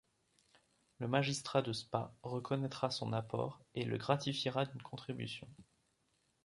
Le magistrat de Spa reconnaîtra son apport et le gratifiera d’une contribution.